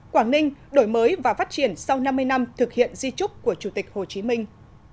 quảng ninh đổi mới và phát triển sau năm mươi năm thực hiện di trúc của chủ tịch hồ chí minh